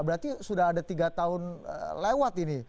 berarti sudah ada tiga tahun lewat ini